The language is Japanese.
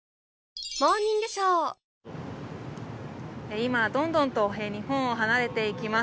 今、どんどんと日本を離れていきます。